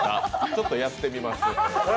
ちょっとやってみます。